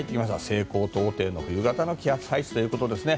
西高東低の冬型の気圧配置ということですね。